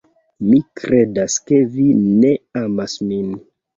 Mi kredas ke vi ne amas min.